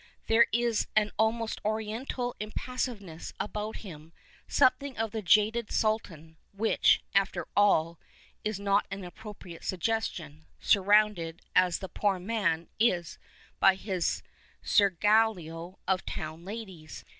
There is an almost Oriental impassivcness about him, something of the jaded sultan — which, after all, is not an inappropriate suggestion, surrounded as the poor man is by his seraglio of towii ladies.